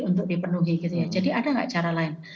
untuk dipenuhi gitu ya jadi ada nggak cara lain